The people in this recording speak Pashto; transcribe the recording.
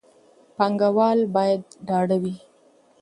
پانګوال باید ډاډه وي.